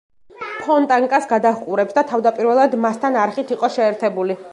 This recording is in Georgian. ფონტანკას გადაჰყურებს და თავდაპირველად მასთან არხით იყო შეერთებული.